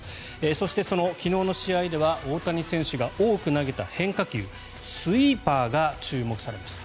そして、その昨日の試合では大谷選手が多く投げた変化球スイーパーが注目されました。